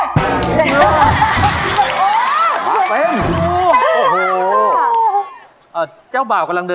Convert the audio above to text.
อยากแต่งานกับเธออยากแต่งานกับเธอ